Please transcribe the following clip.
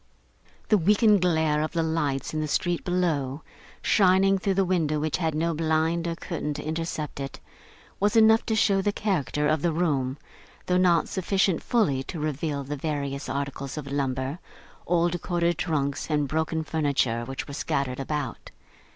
The weakened glare of the lights in the street below, shining through the window which had no blind or curtain to intercept it, was enough to show the character of the room, though not sufficient fully to reveal the various articles of lumber, old corded trunks and broken furniture, which were scattered about.